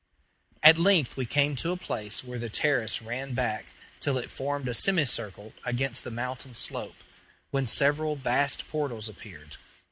At length we came to a place where the terrace ran back till it formed a semicircle against the mountain slope, when several vast portals appeared.